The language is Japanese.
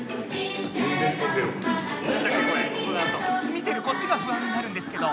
見てるこっちがふあんになるんですけど。